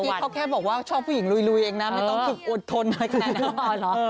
เมื่อกี้เขาแค่บอกว่าช่องผู้หญิงลุยเองนะไม่ต้องพึกอึดทนอะไรแค่นั้น